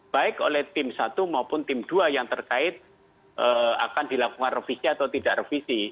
baik oleh tim satu maupun tim dua yang terkait akan dilakukan revisi atau tidak revisi